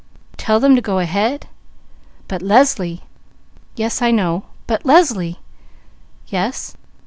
"Tell them to go ahead? But Leslie! Yes I know, but Leslie Yes!